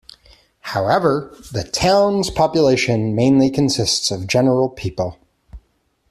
However, the towns population mainly consists of general people.